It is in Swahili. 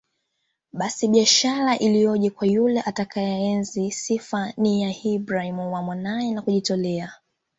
Basi bishara iliyoje kwa yule atakayeenzi sifa hii ya Ibrahim na Mwanaye ya kujitolea